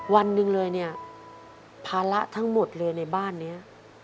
วันหนึ่งเลยเนี่ยภาระทั้งหมดเลยในบ้านนี้